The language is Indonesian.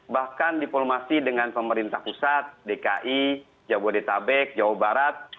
bahkan diplomasi dengan pemerintah pusat dki jabodetabek jawa barat